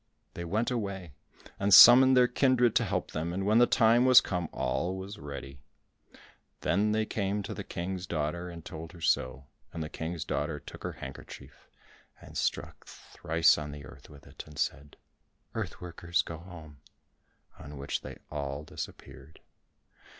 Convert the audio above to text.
They went away, and summoned their kindred to help them and when the time was come, all was ready. Then they came to the King's daughter and told her so, and the King's daughter took her handkerchief and struck thrice on the earth with it, and said, "Earth workers, go home," on which they all disappeared.